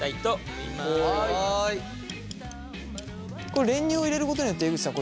これ練乳を入れることによって江口さん